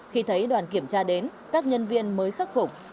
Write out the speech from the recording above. khi thấy đoàn kiểm tra đến các nhân viên mới khắc phục